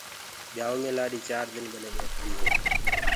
ٻيآئوٚ مي لآڏي چآر دن ٻني ٻيٺديٚ هي۔